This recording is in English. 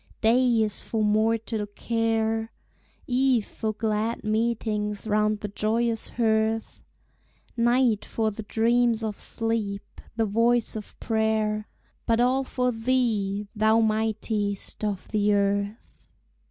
Day is for mortal care, Eve for glad meetings round the joyous hearth, Night for the dreams of sleep, the voice of prayer But all for thee, thou mightiest of the earth.